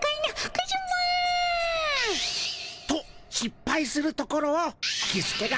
カズマ。としっぱいするところをキスケが。